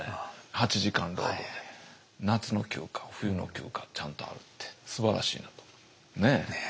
８時間労働で夏の休暇冬の休暇ちゃんとあるってすばらしいなとねえ。ねえ。